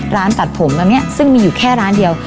ร้านตัดผมตอนนี้ซึ่งมีอยู่แค่ร้านเดียว